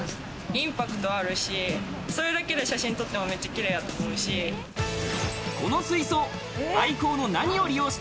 インパクトあるし、それだけで写真撮っても、めっちゃキレイだと思うし。